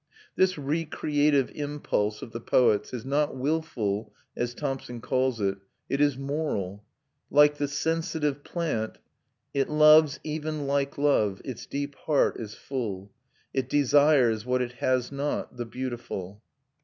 This recreative impulse of the poet's is not wilful, as Thompson calls it: it is moral. Like the Sensitive Plant "It loves even like Love, its deep heart is full; It desires what it has not, the beautiful."